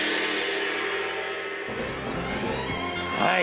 はい。